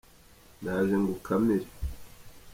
ndaje ngukamire.